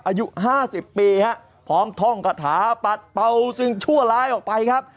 อายุ๕๐ปีฮะพร้อมท่องคาถาปัดเป่าสิ่งชั่วร้ายออกไปครับ